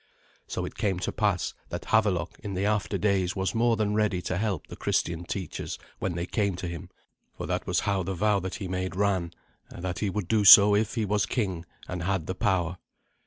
So it came to pass that Havelok in the after days was more than ready to help the Christian teachers when they came to him; for that was how the vow that he made ran, that he would do so if he was king, and had the power.